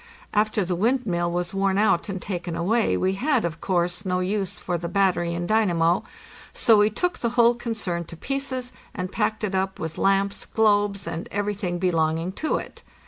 After the windmill was worn out and taken away we had, of course, no use for the battery and dynamo, so we took the whole concern to pieces and packed it up, with lamps, globes, and everything be longing to it.